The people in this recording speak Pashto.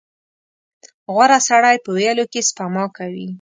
• غوره سړی په ویلو کې سپما کوي.